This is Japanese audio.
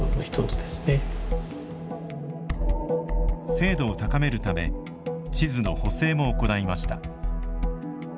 精度を高めるため地図の補正も行いました。